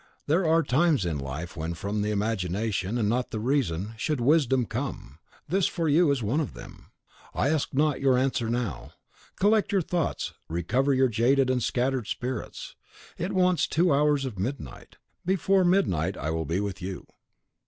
There are times in life when, from the imagination, and not the reason, should wisdom come, this, for you, is one of them. I ask not your answer now. Collect your thoughts, recover your jaded and scattered spirits. It wants two hours of midnight. Before midnight I will be with you."